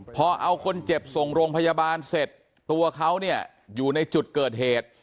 พอเอาคนเจ็บส่งโรงพยาบาลเสร็จตัวเขาเนี่ยอยู่ในจุดเกิดเหตุ